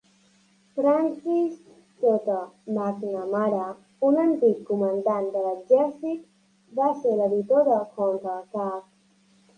Francis J. McNamara, un antic comandant de l'exèrcit, va ser l'editor de "Counterattack".